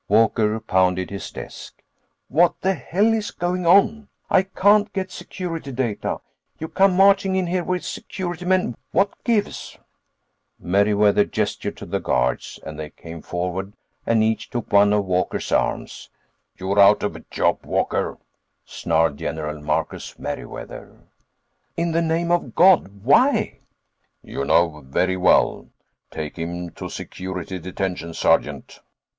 Walker pounded his desk. "What the hell is going on? I can't get Security Data, you come marching in here with security men ... what gives?" Meriwether gestured to the guards, and they came forward and each took one of Walker's arms. "You're out of a job, Walker," snarled General Marcus Meriwether. "In the name of God, why?" "You know very well. Take him to security detention, Sergeant."